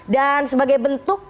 dan sebagai bentuk